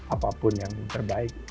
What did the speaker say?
apapun yang terbaik